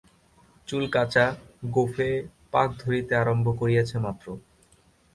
চুল কাঁচা, গোঁফে পাক ধরিতে আরম্ভ করিয়াছে মাত্র।